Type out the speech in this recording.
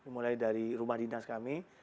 mulai dari rumah dinas kami